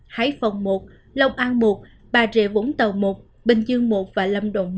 hải phòng một lộc an một bà rịa vũng tàu một bình dương một và lâm đồn một